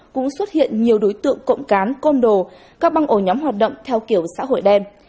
cũng xuất hiện nhiều đối tượng cộng cán côn đồ các băng ổ nhóm hoạt động theo kiểu xã hội đen